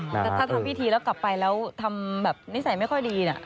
แต่ถ้าทำพิธีแล้วกลับไปแล้วทำแบบนิสัยไม่ค่อยดีนะ